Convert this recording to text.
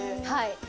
はい。